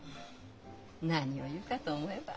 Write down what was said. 何を言うかと思えば。